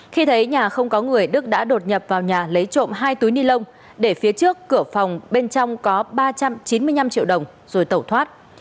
khi thấy nhà không có người đức đã đột nhập vào nhà lấy trộm hai túi ni lông để phía trước cửa phòng bên trong có ba trăm chín mươi năm triệu đồng rồi tẩu thoát